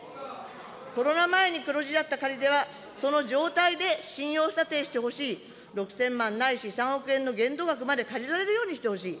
コロナ前に黒字だった借り手はその状態で信用査定してほしい、６０００万、ないし３億円の限度額まで借りられるようにしてほしい。